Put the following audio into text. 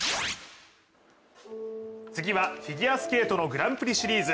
次はフィギュアスケートのグランプリシリーズ。